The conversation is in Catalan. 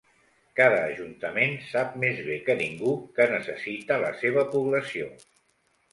Cada ajuntament sap més bé que ningú què necessita la seva població.